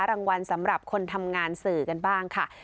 รางวัลสำหรับคนทำงานสื่อกันบ้างค่ะ